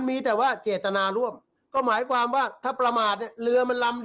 มีหนึ่งผู้ต้องหาหรือเป็นแพ้